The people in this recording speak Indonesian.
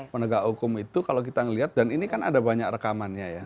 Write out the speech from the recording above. penegak hukum itu kalau kita melihat dan ini kan ada banyak rekamannya ya